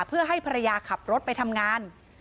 เพื่อให้ภรรยาขับรถไปทำงาน